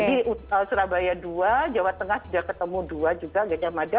jadi surabaya dua jawa tengah sudah ketemu dua juga gajah mada